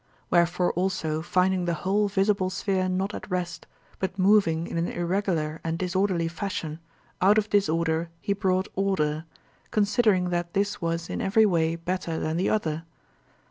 Wherefore also finding the whole visible sphere not at rest, but moving in an irregular and disorderly fashion, out of disorder he brought order, considering that this was in every way better than the other.